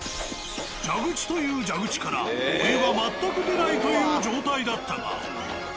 蛇口という蛇口からお湯が全く出ないという状態だったが。